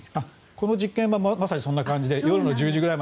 この実験はまさにそんな感じで夜の１０時ぐらいに。